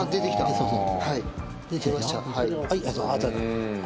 そうそう。